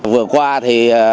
vừa qua thì